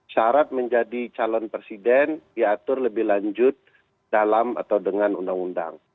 syarat menjadi calon presiden diatur lebih lanjut dalam atau dengan undang undang